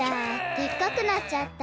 でっかくなっちゃった。